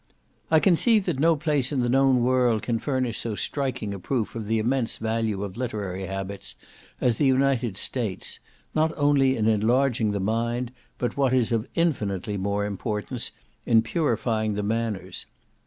I conceive that no place in the known world can furnish so striking a proof of the immense value of literary habits as the United States, not only in enlarging the mind, but what is of infinitely more importance, in purifying the manners.